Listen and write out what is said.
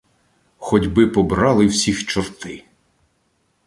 Хотьби побрали всіх чорти: